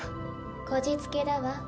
こじつけだわ。